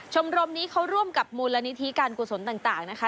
ชมรมนี้เขาร่วมกับมูลนิธิการกุศลต่างนะคะ